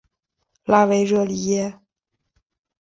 拉维热里耶。